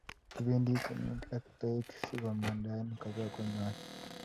Kipendi kongwak ak taek sikomandaen kobaa konywan